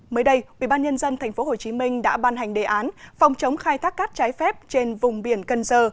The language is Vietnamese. mới đây ubnd tp hcm đã ban hành đề án phòng chống khai thác cát trái phép trên vùng biển cần giờ